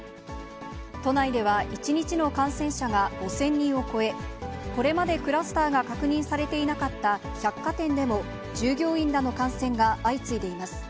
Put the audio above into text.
都内では１日の感染者が５０００人を超え、これまでクラスターが確認されていなかった百貨店でも、従業員らの感染が相次いでいます。